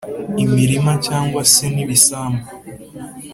imilima cyangwe se n’ibisambu